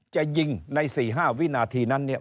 จะยิงใน๔๕วินาทีนั้น